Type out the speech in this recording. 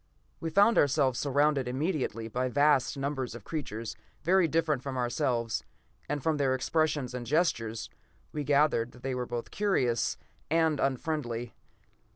We found ourselves surrounded immediately by vast numbers of creatures very different from ourselves, and from their expressions and gestures, we gathered that they were both curious and unfriendly.